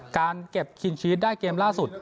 การเก็บคินชีสได้เกมล่าสุด